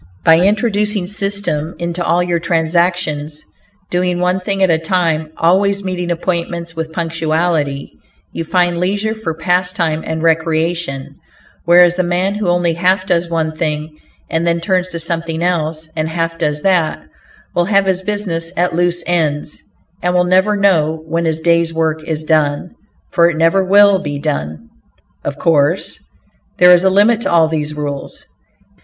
By introducing system into all your transactions, doing one thing at a time, always meeting appointments with punctuality, you find leisure for pastime and recreation; whereas the man who only half does one thing, and then turns to something else, and half does that, will have his business at loose ends, and will never know when his day's work is done, for it never will be done. Of course, there is a limit to all these rules.